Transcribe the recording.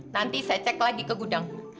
nanti saya cek lagi ke gudang